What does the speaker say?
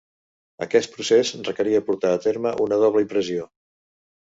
Aquest procés requeria portar a terme una doble impressió.